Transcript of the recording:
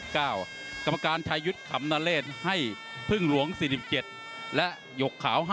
กรรมการชายุทธ์ขำนเลศให้พึ่งหลวง๔๗และหยกขาว๕